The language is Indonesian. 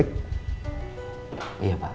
pak rindis berbalik